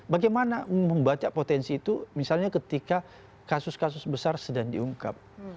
bagaimana membaca potensi itu misalnya ketika kasus kasus besar sedang diungkap